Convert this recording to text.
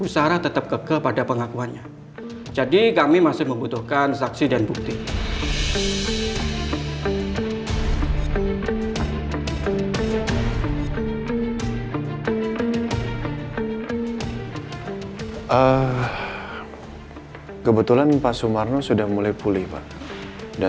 sampai jumpa di video selanjutnya